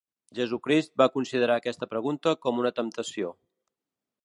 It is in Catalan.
Jesucrist va considerar aquesta pregunta com una temptació.